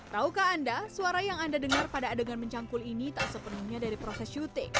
taukah anda suara yang anda dengar pada adegan mencangkul ini tak sepenuhnya dari proses syuting